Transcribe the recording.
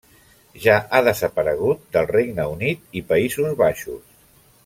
Ja ha desaparegut del Regne Unit i Països Baixos.